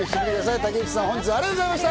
竹内さん、本日はありがとうございました。